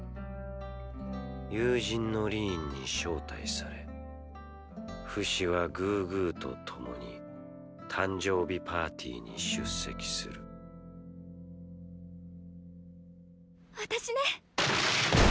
友人のリーンに招待されフシはグーグーと共に誕生日パーティーに出席する私ね。